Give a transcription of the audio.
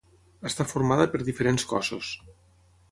Està formada per diferents cossos.